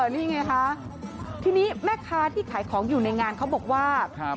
นี่ไงคะทีนี้แม่ค้าที่ขายของอยู่ในงานเขาบอกว่า